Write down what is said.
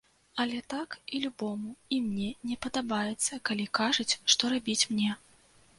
Але так і любому, і мне не падабаецца, калі кажуць, што рабіць мне.